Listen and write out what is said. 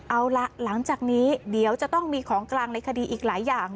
เอาล่ะหลังจากนี้เดี๋ยวจะต้องมีของกลางในคดีอีกหลายอย่าง